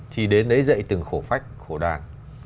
thì đến đấy dạy từng khổ phách khổ đàn